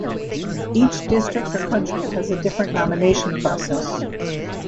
Each district or county has a different nomination process.